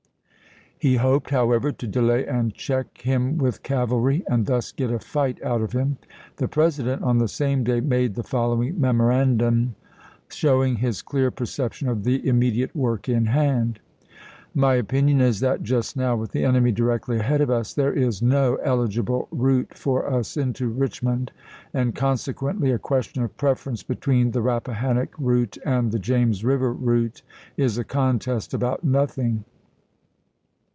He hoped, however, to delay and check him with cavalry, and thus get a fight out of him. Api. 11,1863. The President, on the same day, made the follow ing memorandum showing his clear perception of the immediate work in hand : "My opinion is that, just now, with the enemy directly ahead of us, there is no eligible route for us into Eichmond; and consequently a question of preference between the Rappahannock route and the James River route is a contest about nothing.